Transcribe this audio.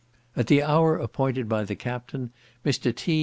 At the hour appointed by the captain, Mr. T.